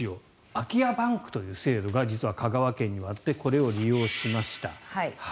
空き家バンクという制度が実は香川県にあってこれを利用しました。